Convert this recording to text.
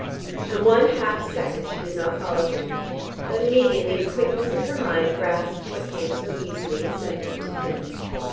For one half second she did not follow him. But immediately the quickness of her mind grasped what came so easily and simply to him.